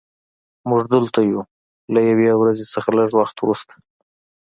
موږ دلته یو له یوې ورځې څخه لږ وخت وروسته